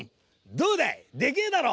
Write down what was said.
どうだいでけえだろ？」。